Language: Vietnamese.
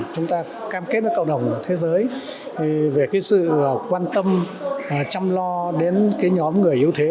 chúng ta cam kết với cộng đồng thế giới về sự quan tâm chăm lo đến nhóm người yếu thế